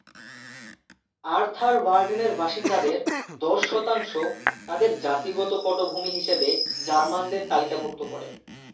আর্থার-ভার্ডেনের বাসিন্দাদের দশ শতাংশ তাদের জাতিগত পটভূমি হিসেবে জার্মানদের তালিকাভুক্ত করে।